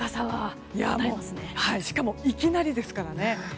しかもいきなりですからね。